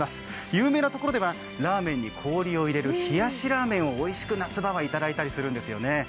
有名なところでは、ラーメンに氷を入れていただく冷やしラーメンをおいしく夏場はいただいたりするんですよね。